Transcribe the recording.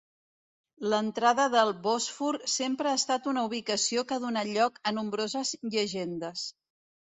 L'entrada del Bòsfor sempre ha estat una ubicació que ha donat lloc a nombroses llegendes.